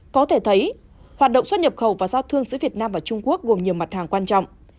có thể thấy hoạt động xuất nhập khẩu và giao thương giữa việt nam và trung quốc gồm nhiều mặt hàng quan trọng